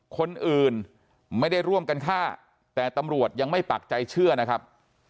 คนอื่นไม่ได้ร่วมกันฆ่าแต่ตำรวจยังไม่ปักใจเชื่อนะครับ